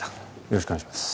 よろしくお願いします。